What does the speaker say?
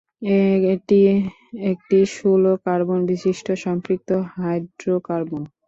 এটি একটি ষোল কার্বন বিশিষ্ট সম্পৃক্ত হাইড্রোকার্বন।